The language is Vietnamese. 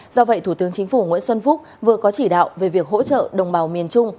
do vậy thủ tướng chính phủ nguyễn xuân phúc vừa có chỉ đạo về việc hỗ trợ đồng bào miền trung